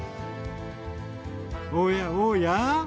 おやおや？